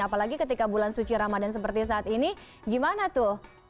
apalagi ketika bulan suci ramadan seperti saat ini gimana tuh